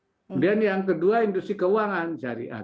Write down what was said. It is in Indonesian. kemudian yang kedua industri keuangan syariah